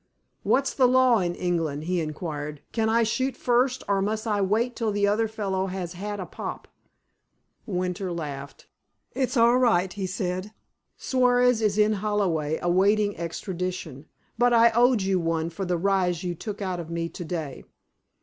"What's the law in England?" he inquired. "Can I shoot first, or must I wait till the other fellow has had a pop?" Winter laughed. "It's all right," he said. "Suarez is in Holloway, awaiting extradition. But I owed you one for the rise you took out of me to day."